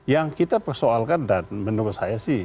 yang kita persoalkan dan menurut saya sih